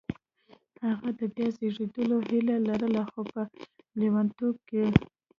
هغه د بیا زېږېدو هیله لرله خو په لېونتوب کې